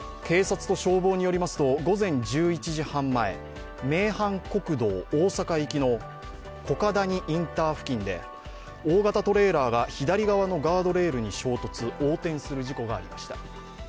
警察と消防によりますと午前１１時半前名阪国道大阪行きの五ヶ谷インター付近で、大型トレーラーが左側のガードレールに衝突横転する事故がありました。